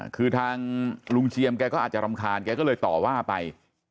คือทางลุงเจียมแกก็อาจจะรำคาญแกก็เลยต่อว่าไป